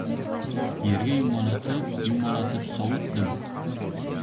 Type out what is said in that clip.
Yerga yumalatib-yumalatib sovutdim.